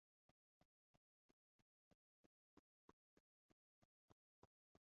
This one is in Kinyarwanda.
Uwo musaraba urabagiranira muri buri soko y'amazi.